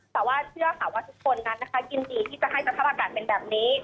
แต่ว่าเชื่อค่ะว่าทุกคนนั้นนะคะยินดีที่จะให้สภาพอากาศเป็นแบบนี้